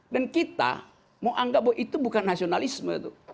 dan kita mau anggap bahwa itu bukan nasionalisme